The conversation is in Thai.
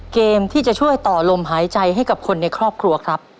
เกมที่จะช่วยต่อลมหายใจให้กับคนในครอบครัวครับ